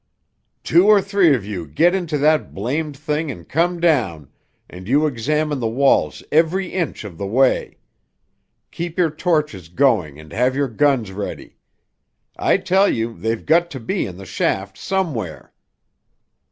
"Two or three of you get into that blamed thing and come down, and you examine the walls every inch of the way. Keep your torches going and have your guns ready. I tell you they've got to be in the shaft somewhere!"